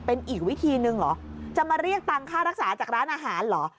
เป็นอีกวิธีหนึ่งเหรอจะมาเรียกตังค่ารักษาจากร้านอาหารเหรอ